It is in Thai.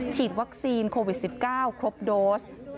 ฉีดวัคซีนโควิด๑๙ครบโดส